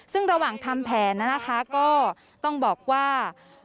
ซึ่งระหว่างทำแผนนะคะก็ต้องบอกว่า